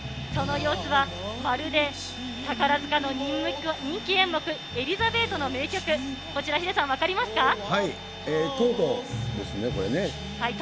その様子は、まるで宝塚の人気演目、エリザベートの名曲、こちら、ヒデさん、分かりますか？